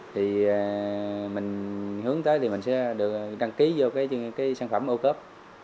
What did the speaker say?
thì mình hướng tới thì mình sẽ đăng ký vào sản phẩm ô cớp